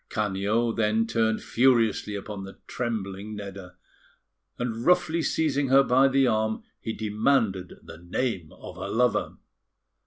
Canio then turned furiously upon the trembling Nedda; and roughly seizing her by the arm, he demanded the name of her lover.